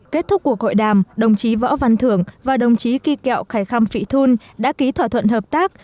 kết thúc cuộc hội đàm đồng chí võ văn thưởng và đồng chí kỳ kẹo khải khăm phị thun đã ký thỏa thuận hợp tác